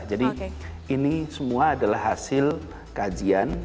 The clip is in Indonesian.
jadi ini semua adalah hasil kajian